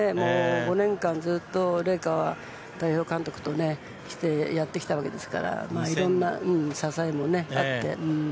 ５年間、ずっと麗華は代表監督としてやってきたわけですからいろんな支えもあって。